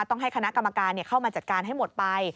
ต้องให้คณะกรรมการเข้ามาจัดการให้หมดไป